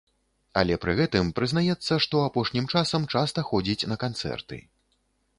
Але пры гэтым прызнаецца, што апошнім часам часта ходзіць на канцэрты.